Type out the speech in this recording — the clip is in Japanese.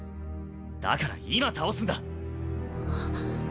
だから今倒すんだ！